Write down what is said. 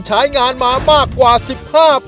เขืองคันกะทิครับ